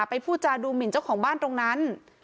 พูดจาดูหมินเจ้าของบ้านตรงนั้น